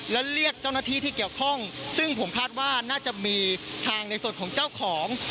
และเรียกเจ้าหน้าที่ที่เกี่ยวข้องซึ่งผมคาดว่าน่าจะมีทางในส่วนของเจ้าของ